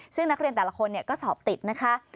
ซึ่งนักเรียนแต่ละคนก็สอบติดนะคะ